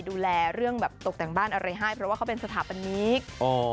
ดูแลตกแต่งบ้านอะไรให้เพราะว่าเขาเป็นสถาปนิก